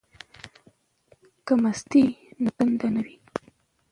که مستې وي نو تنده نه وي.